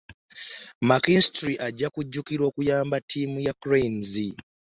McKinstry ajja kujjukirwa olw'okuyamba ttiimu ya Cranes.